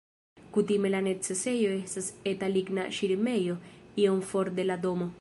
Kutime la necesejo estas eta ligna ŝirmejo iom for de la domo.